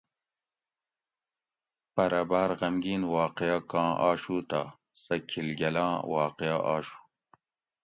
پرہ باۤر غمگین واقعہ کاں آشو تہ سہۤ کھِل گۤل آں واقعہ آشو